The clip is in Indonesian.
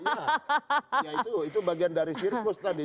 ya itu bagian dari sirkus tadi